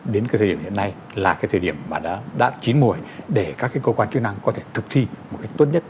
hiện nay là cái thời điểm mà đã chín mùi để các cái cơ quan chức năng có thể thực thi một cái tốt nhất